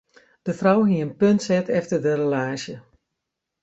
De frou hie in punt set efter de relaasje.